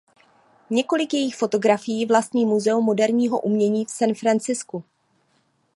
Několik jejích fotografií vlastní Muzeum moderního umění v San Franciscu.